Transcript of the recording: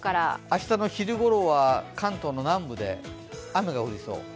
明日の昼ごろは関東の南部で雨が降りそう。